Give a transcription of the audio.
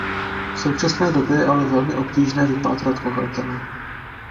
V současné době je ale velmi obtížné vypátrat pachatele.